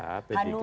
hanura perindo juga